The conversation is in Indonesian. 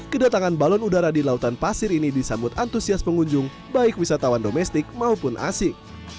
kedatangan balon udara di lautan pasir ini disambut antusias pengunjung baik wisatawan domestik maupun asing